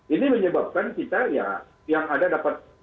ini menyebabkan kita ya yang ada dapat